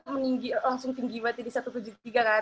langsung tinggi banget jadi satu ratus tujuh puluh tiga kan